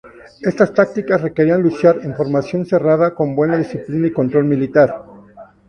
Estas tácticas requerían luchar en formación cerrada con buena disciplina y control militar.